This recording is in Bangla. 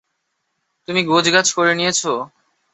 তুমি গোছগাছ করে নিয়েছ?